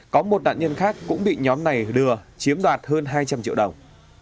có một đạn nhân khác cũng bị nhóm này đưa chiếm đoạt hơn hai trăm linh triệu đồng